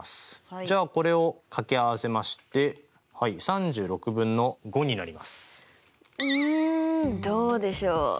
じゃあこれを掛け合わせましてうんどうでしょう？